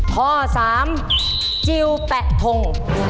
ข้อสามจิลแปะทง